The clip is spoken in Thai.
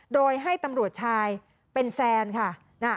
โดยให้ตำรวจชายเป็นแซนค่ะ